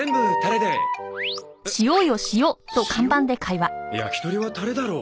焼き鳥はタレだろう。